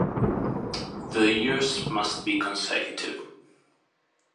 The years must be consecutive.